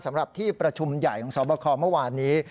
สำหรับที่ประชุมใหญ่ของสอบคอเมื่อวานนี้